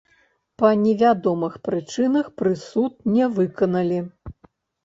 Па невядомых прычынах прысуд не выканалі.